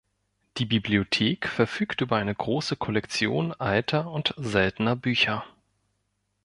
Die Bibliothek verfügt über eine große Kollektion alter und seltener Bücher.